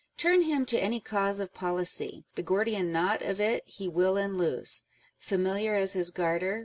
Turn him to any cause of policy, The Gordian knot of it he will unloose, Familiar as his garter.